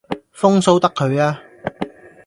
風騷得佢吖